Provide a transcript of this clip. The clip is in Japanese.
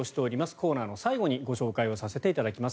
コーナーの最後にご紹介させていただきます。